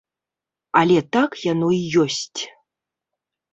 Але так яно і ёсць.